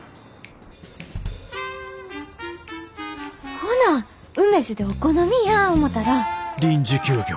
ほなうめづでお好みやぁ思たら。